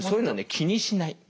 気にしない？